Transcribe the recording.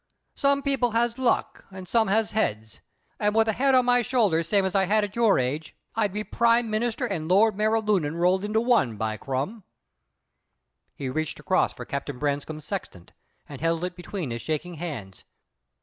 Some people has luck an' some has heads; an' with a head on my shoulders same as I had at your age, I'd be Prime Minister an' Lord Mayor of Lunnon rolled into one, by crum!" He reached across for Captain Branscome's sextant, and held it between his shaking hands.